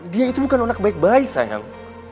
dia itu bukan anak baik baik sayang